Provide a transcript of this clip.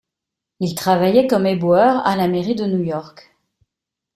Il travaillait comme éboueur à la mairie de New York.